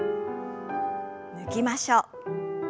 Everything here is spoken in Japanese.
抜きましょう。